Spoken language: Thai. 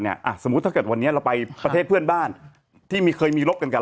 สมมุติถ้าเกิดวันนี้เราไปประเทศเพื่อนบ้านที่เคยมีรบกันกัน